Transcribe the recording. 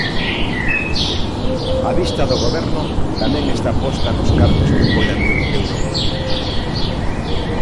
A vista do Goberno tamén está posta nos cartos que poidan vir de Europa.